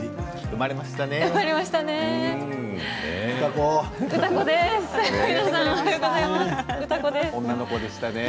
生まれましたね。